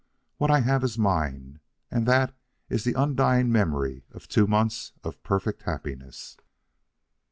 What I have is mine, and that is the undying memory of two months of perfect happiness."